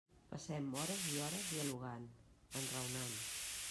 Passem hores i hores dialogant, enraonant.